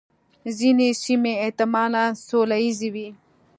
ځینې سیمې احتمالاً سوله ییزې وې.